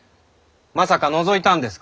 まさかのぞいたんですか